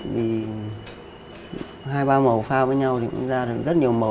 vì hai ba màu phao với nhau thì cũng ra được rất nhiều màu